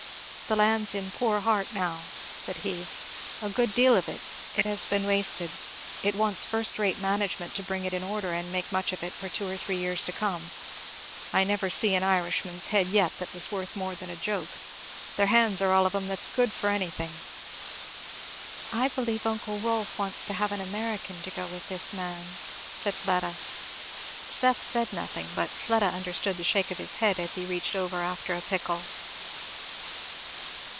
"The land's in poor heart now," said he, "a good deal of it; it has been wasted; it wants first rate management to bring it in order and make much of it for two or three years to come. I never see an Irishman's head yet that was worth more than a joke. Their hands are all of 'em that's good for anything." "I believe uncle Rolf wants to have an American to go with this man," said Fleda. Seth said nothing, but Fleda understood the shake of his head as he reached over after a pickle.